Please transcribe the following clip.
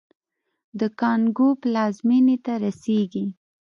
د کانګو پلازمېنې ته رسېږي.